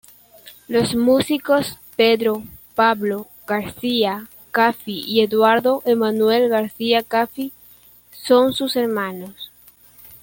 Los músicos Pedro Pablo García Caffi y Eduardo Emanuel García Caffi son sus hermanos.